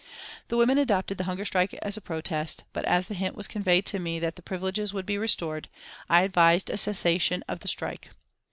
The women adopted the hunger strike as a protest, but as the hint was conveyed to me that the privileges would be restored, I advised a cessation of the strike.